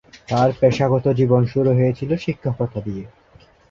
তার পেশাগত জীবন শুরু হয়েছিল শিক্ষকতা দিয়ে।